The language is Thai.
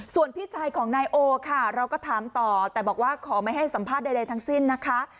ส่วนพี่ชายของนายโอค่ะเราก็ถามต่อแต่บอกว่าขอไม่ให้สัมภาษณ์ใดทั้งสิ้นนะคะ